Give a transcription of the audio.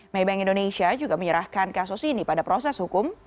maybank indonesia juga menyerahkan kasus ini pada proses hukum